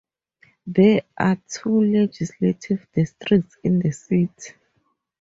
There are two legislative districts in the city.